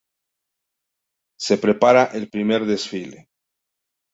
Se prepara el primer desfile.